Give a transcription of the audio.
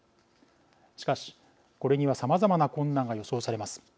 しかし、これにはさまざまな困難が予想されます。